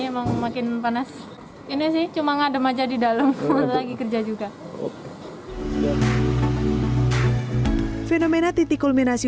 emang makin panas ini sih cuma ngadem aja di dalam lagi kerja juga fenomena titik kulminasi